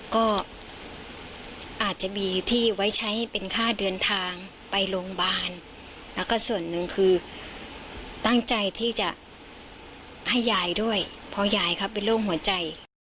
ก็อาจจะมีที่ไว้ใช้เป็นค่าเดินทางไปโรงพยาบาลแล้วก็ส่วนหนึ่งคือตั้งใจที่จะให้ยายด้วยเพราะยายเขาเป็นโรคหัวใจ